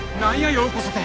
「ようこそ」て。